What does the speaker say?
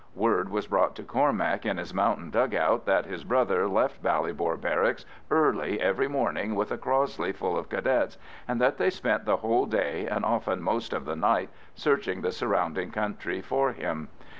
Word was brought to Cormac in his mountain dug out that his brother left Ballybor Barracks early every morning with a Crossley full of Cadets, and that they spent the whole day and often most of the night searching the surrounding country for him.